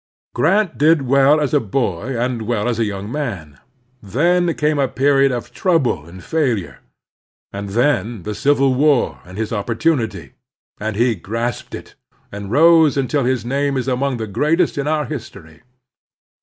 Grant did well as a boy and well as a young man ; then came a period of trouble and failure, and then the Civil War and his opportunity; and he grasped it, and rose imtil his name is among the greatest in our history.